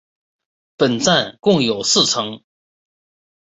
本站共有四层。